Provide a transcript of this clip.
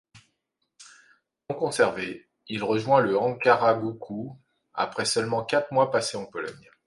Non conservé, il rejoint le Ankaragücü après seulement quatre mois passés en Pologne.